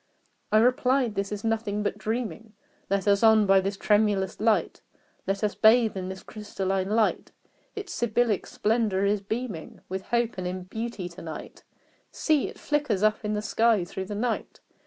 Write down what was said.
I replied "This is nothing but dreaming: Let us on by this tremulous light! Let us bathe in this crystalline light! Its Sibyllic splendor is beaming With Hope and in Beauty to night: See! it flickers up the sky through the night!